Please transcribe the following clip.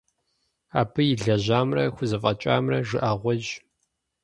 Абы илэжьамрэ, хузэфӀэкӀамрэ жыӀэгъуейщ.